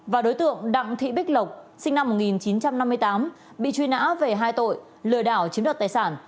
và đối tượng đặng thị bích lộc sinh năm một nghìn chín trăm năm mươi tám bị truy nã về hai tội lừa đảo chiếm đoạt tài sản